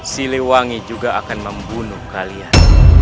siliwangi juga akan membunuh kalian